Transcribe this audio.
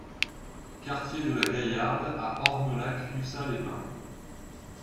Quartier de la Gaillarde à Ornolac-Ussat-les-Bains